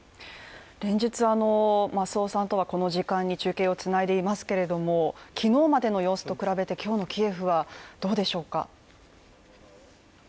連日、増尾さんとはこの時間に中継をつないでいますけれども昨日までの様子と比べて今日のキエフはどうでしょうか？